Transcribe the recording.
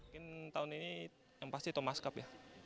mungkin tahun ini yang pasti thomas cup ya